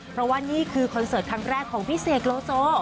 เพราะว่านี่คือคอนเสิร์ตครั้งแรกของพี่เสกโลโซ